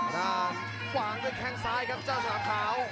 ด้านขวางด้วยแข้งซ้ายครับเจ้าสนาขาว